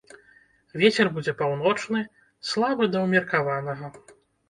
Вецер будзе паўночны, слабы да ўмеркаванага.